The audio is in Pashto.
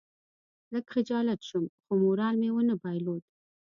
لږ خجالت شوم خو مورال مې ونه بایلود.